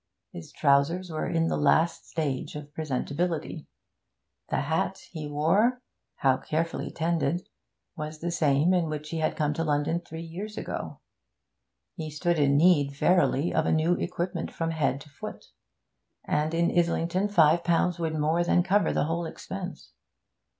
His trousers were in the last stage of presentability. The hat he wore (how carefully tended!) was the same in which he had come to London three years ago. He stood in need, verily, of a new equipment from head to foot; and in Islington five pounds would more than cover the whole expense.